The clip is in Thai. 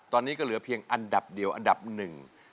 ตอนนี้ก็เหลือเพียงอันดับเดียวอันดับหนึ่ง